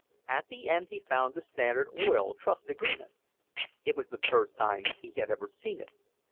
At the end he found the Standard Oil Trust agreement. It was the first time he had ever seen it.